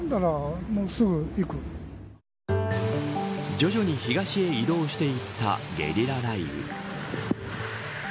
徐々に東へ移動していったゲリラ雷雨。